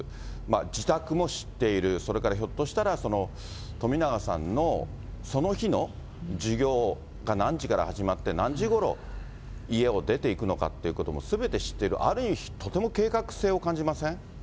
自宅も知っている、それからひょっとしたら、冨永さんのその日の授業が何時から始まって、何時ごろ、家を出ていくのかっていうことも、すべて知っている、ある意味、とても計画性を感じません？